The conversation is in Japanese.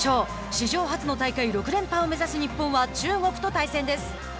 史上初の大会６連覇を目指す日本は中国と対戦です。